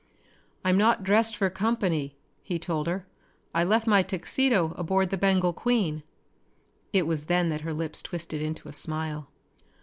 "I'm not dressed for company," he told her. "I left my tuxedo aboard the Bengal Queen!" It was then that her lips twisted into a smile.